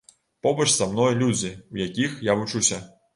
Побач са мной людзі, у якіх я вучуся.